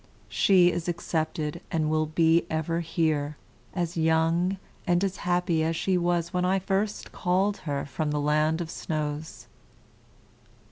She is accepted and will be ever here, as young and as happy as she was when I first called her from the land of snows."